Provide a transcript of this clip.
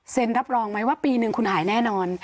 รับรองไหมว่าปีหนึ่งคุณหายแน่นอน